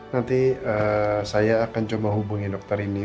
nanti saya akan coba hubungi dokter ini